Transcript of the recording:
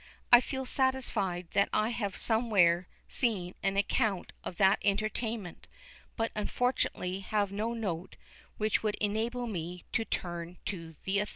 I feel satisfied that I have somewhere seen an account of that entertainment, but unfortunately have no note which would enable me to turn to the authority.